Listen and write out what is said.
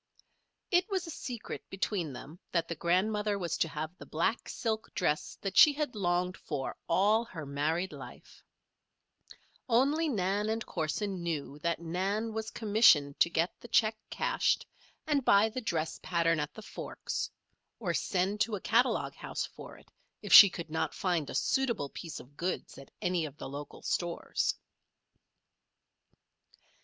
It was a secret between them that the grandmother was to have the black silk dress that she had longed for all her married life; only Nan and Corson knew that Nan was commissioned to get the check cashed and buy the dress pattern at the Forks; or send to a catalogue house for it if she could not find a suitable piece of goods at any of the local stores.